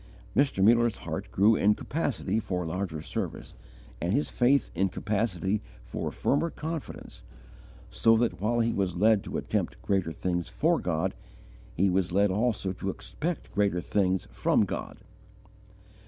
Mr. Muller's heart grew in capacity for larger service, and his faith in capacity for firmer confidence, so that while he was led to attempt greater things for God, he was led also to expect greater things from God.